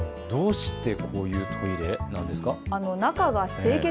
どうしてこういうトイレなんですか。